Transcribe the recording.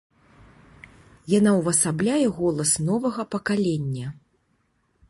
Яна увасабляе голас новага пакалення.